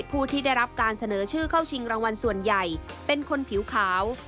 ผู้ที่ได้รับการเสนอชื่อเข้าชิงรางวัลส่วนใหญ่เป็นคนผิวขาว